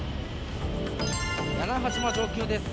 屋那覇島上空です。